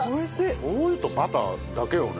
しょう油とバターだけよね。